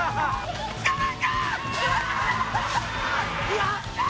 やったー！